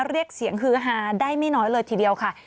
เรียกเสียงฮือฮาได้ไม่น้อยเลยทีเดียวค่ะ